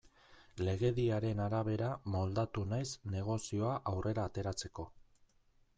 Legediaren arabera moldatu naiz negozioa aurrera ateratzeko.